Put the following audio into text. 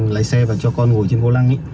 lái xe và cho con ngồi trên vô lăng ý